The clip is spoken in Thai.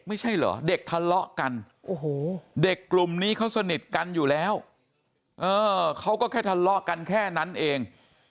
ไม่ใช่เหรอเด็กทะเลาะกันโอ้โหเด็กกลุ่มนี้เขาสนิทกันอยู่แล้วเขาก็แค่ทะเลาะกันแค่นั้นเอง